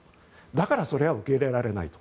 だからそれは受け入れられないと。